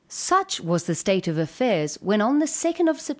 Such was the state of affairs, when on the 2d Sept.